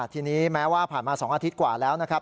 ทีนี้แม้ว่าผ่านมา๒อาทิตย์กว่าแล้วนะครับ